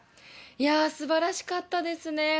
いやー、すばらしかったですね。